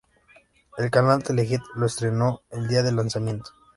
El canal Telehit lo estreno el día del lanzamiento.